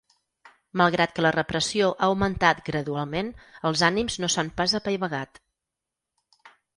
Malgrat que la repressió ha augmentat gradualment, els ànims no s’han pas apaivagat.